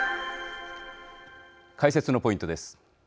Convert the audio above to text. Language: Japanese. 解説のポイントです。